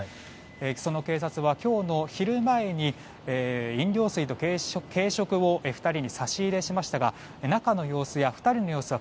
その警察は今日の昼前に飲料水と軽食を２人に差し入れしましたが中の様子や２人の様子は